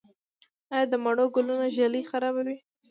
آیا د مڼو ګلونه ږلۍ خرابوي؟